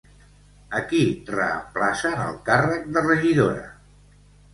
A qui reemplaça en el càrrec de regidora?